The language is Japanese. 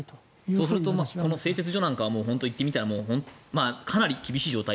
そうすると製鉄所なんかは言ってみたら、かなり厳しい状態